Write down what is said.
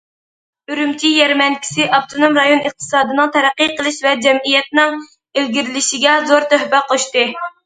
ئۈرۈمچى يەرمەنكىسى ئاپتونوم رايون ئىقتىسادىنىڭ تەرەققىي قىلىشى ۋە جەمئىيەتنىڭ ئىلگىرىلىشىگە زور تۆھپە قوشتى.